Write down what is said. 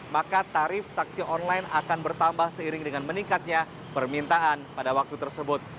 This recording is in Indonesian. maka tarif taksi online akan bertambah seiring dengan meningkatnya permintaan pada waktu tersebut